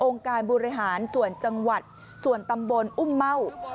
การบริหารส่วนจังหวัดส่วนตำบลอุ้มเม่า